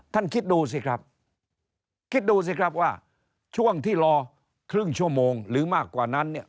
คิดดูสิครับคิดดูสิครับว่าช่วงที่รอครึ่งชั่วโมงหรือมากกว่านั้นเนี่ย